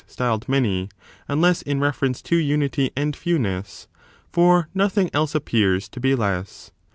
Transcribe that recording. liiingB styled many, unless in reference to unity and fewness t for nothing else appears to be less.